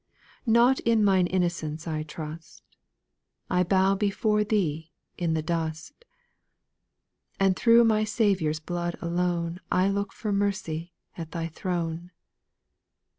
Not in mine innocence I trust ; I bow before Thee in the dust ; And through my Saviour's blood alone I look for mercy at Thy throne.